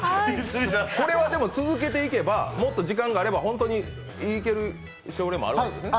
これは続けていけばもっと時間があれば本当にいける症例もあるんですよね？